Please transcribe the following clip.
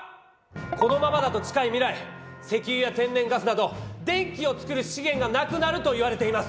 このままだと近い未来石油や天然ガスなど電気を作る資源が無くなるといわれています！